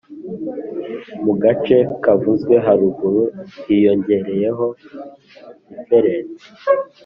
mugace kavuzwe haruguru hiyongereyeho difference